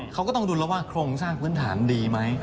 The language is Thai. เขาก็ต้องดูแล้วว่าโครงสร้างพื้นฐานดีไหม